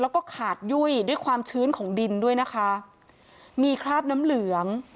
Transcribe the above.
แล้วก็ขาดยุ่ยด้วยความชื้นของดินด้วยนะคะมีคราบน้ำเหลือง